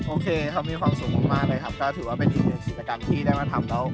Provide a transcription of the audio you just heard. โอเคครับมีความสุขมากเลยครับก็ถือว่าเป็นอีกหนึ่งกิจกรรมที่ได้มาทำแล้ว